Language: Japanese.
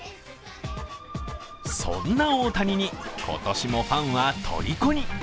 そんな大谷に今年もファンはとりこに。